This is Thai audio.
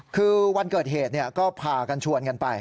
คือวันเกิดเหตุก็พากันชวนกันไป